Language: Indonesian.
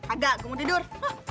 agak gua mau tidur